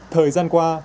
thời gian qua